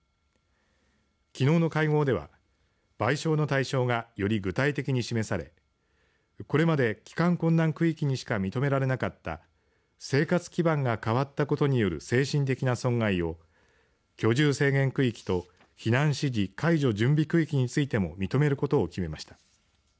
きのうの会合では賠償の対象がより具体的に示されこれまで帰還困難区域にしか認められなかった生活基盤が変わったことによる精神的な損害を居住制限区域と避難指示解除準備区域についても認めることを決めました。